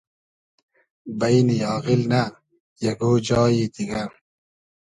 بݷن آغیل نۂ ! یئگۉ جایی دیگۂ